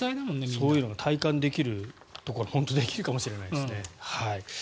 そういうのが体感できるところができるかもしれませんね。